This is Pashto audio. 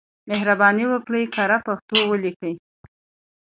مهرباني وکړئ کره پښتو ولیکئ.